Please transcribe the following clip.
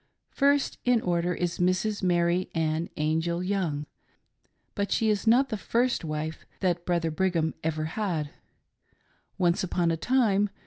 ] First in order is Mrs. Mary Ann Angell Young, but she Is not the first wife that Brother Brigham ever had. Once upon a time.